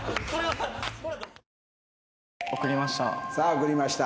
送りました。